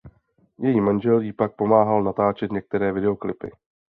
Její manžel jí pak pomáhal natáčet některé videoklipy.